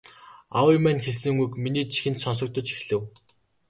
Аавын маань хэлсэн үг миний чихэнд сонсогдож эхлэв.